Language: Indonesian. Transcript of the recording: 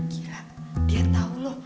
gila dia tahu lho